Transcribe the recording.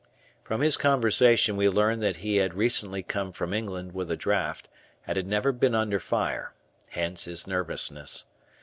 From his conversation we learned that he had recently come from England with a draft and had never been under fire, hence, his nervousness.